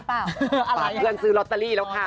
เพื่อนซื้อลอตเตอรี่แล้วค่ะ